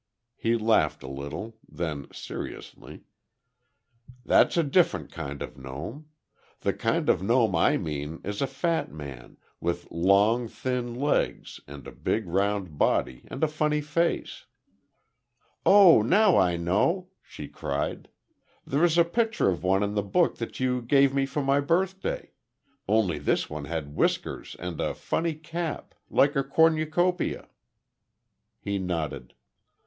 He laughed, a little; then, seriously: "That's a different kind of a gnome. The kind of a gnome I mean is a fat man, with long, thin legs and a big, round body and a funny face." "Oh, now I know!" she cried. "There's a picture of one in the book that you gave me for my birthday. Only this one had whiskers and a funny cap like a cornucopia." He nodded.